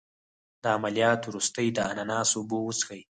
د عملیات وروسته د اناناس اوبه وڅښئ